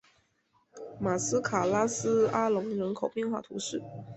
马斯卡拉斯阿龙人口变化图示